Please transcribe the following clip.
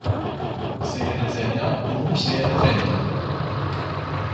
Se jirriżenja u mhux se jirriżenja!